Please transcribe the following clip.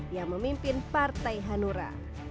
yang memimpin partai hanura